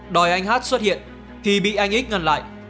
đòi anh h xuất hiện thì bị anh x ngăn lại